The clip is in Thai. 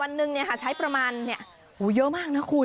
วันนึงใช้เยอะมากนะคุณ